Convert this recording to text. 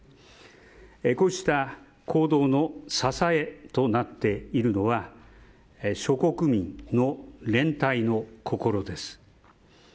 こうした行動の支えとなっているのは諸国民の連帯の心です。